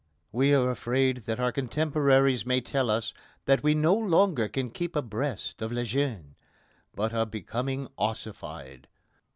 We are afraid that our contemporaries may tell us that we no longer can keep abreast of les jeunes, but are become ossified.